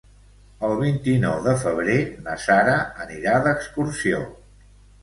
El vint-i-nou de febrer na Sara anirà d'excursió.